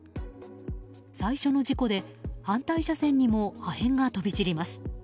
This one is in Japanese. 最初の事故で反対車線にも破片が飛び散ります。